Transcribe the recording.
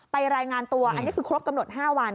รายงานตัวอันนี้คือครบกำหนด๕วัน